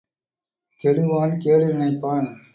கெடுவான் கேடு நினைப்பான்.